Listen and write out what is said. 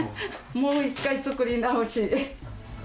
もう一回作り直し。